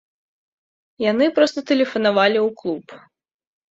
Яны проста тэлефанавалі ў клуб.